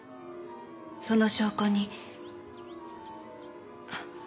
その証拠に。